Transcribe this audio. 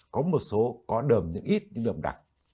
có một số có đầm nhưng ít nhưng đầm đặc